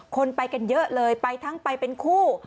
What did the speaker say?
คนไปกันเยอะเลยไปทั้งไปเป็นคู่